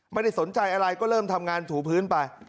ไม่ได้สนใจอะไรก็เริ่มทำงานถูพื้นไป